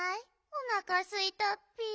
おなかすいたッピ。